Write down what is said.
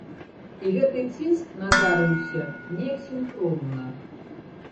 І гэты ціск надарыўся неяк сінхронна.